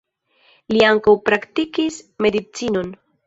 Li ankaŭ praktikis medicinon.